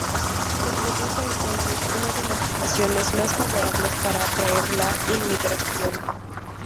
Se produce, entonces, una de las situaciones más favorables para atraer la inmigración.